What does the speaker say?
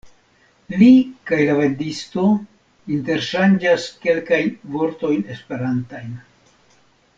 Li kaj la vendisto interŝanĝas kelkajn vortojn esperantajn.